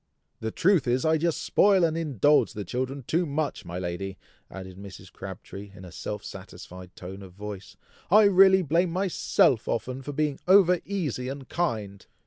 "The truth is, I just spoil and indulge the children too much, my lady!" added Mrs. Crabtree, in a self satisfied tone of voice. "I really blame myself often for being over easy and kind."